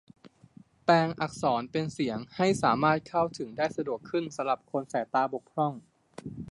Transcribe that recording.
แปลงอักษรเป็นเสียง ให้สามารถเข้าถึงได้สะดวกขึ้นสำหรับคนสายตาบกพร่อง